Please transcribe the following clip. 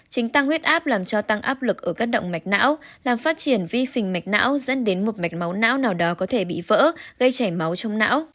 trình tăng huyết áp làm cho tăng áp lực ở các động mạch não làm phát triển vi phình mạch não dẫn đến một mạch máu não nào đó có thể bị vỡ gây chảy máu trong não